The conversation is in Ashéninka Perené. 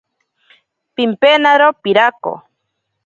Pimpenaro pirako.